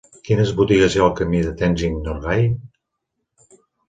Quines botigues hi ha al camí de Tenzing Norgay?